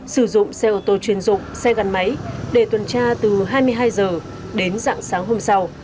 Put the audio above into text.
sử dụng xe ô tô chuyên dụng xe gắn máy để tuần tra từ hai mươi hai h đến dạng sáng hôm sau